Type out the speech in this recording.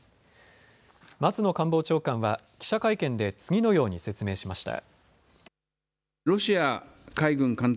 松野官房長官は記者会見で次のように説明しました。